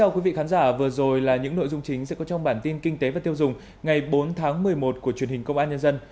chào mừng quý vị đến với bản tin kinh tế và tiêu dùng ngày bốn tháng một mươi một của truyền hình công an nhân dân